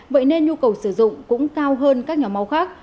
vậy nên nhu cầu sử dụng cũng cao hơn các nhóm máu khác